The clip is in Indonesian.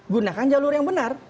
gunakan jalur yang benar